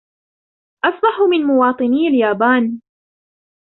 أصبحوا من مواطني اليابان.